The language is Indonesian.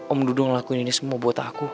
om dung ngelakuin ini semua buat aku